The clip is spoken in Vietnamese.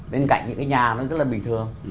bên cạnh những cái nhà nó rất là bình thường